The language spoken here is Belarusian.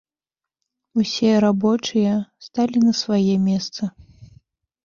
Усе рабочыя сталі на свае месцы.